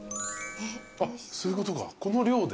あっそういうことかこの量で？